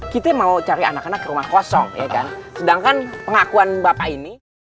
kita mau cari anak anak ke rumah kosong sedangkan pengakuan bapak ini